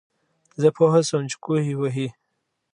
زۀ پوهه شوم چې کوهے وهي